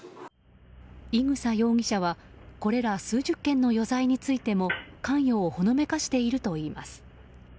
伊草容疑者はこれら数十件の余罪についても関与をほのめかしているといいます。